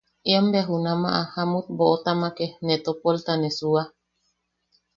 Ien bea junama Jamut Boʼotamake ne topolta ne suua.